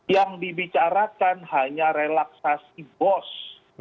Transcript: yang dibicarakan hanya relaksasi bos